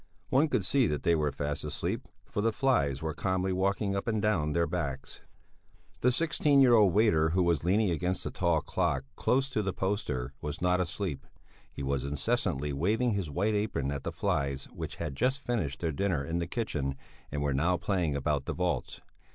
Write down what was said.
One could see that they were fast asleep, for the flies were calmly walking up and down their backs. The sixteen year old waiter who was leaning against the tall clock close to the poster was not asleep; he was incessantly waving his white apron at the flies which had just finished their dinner in the kitchen and were now playing about the vaults.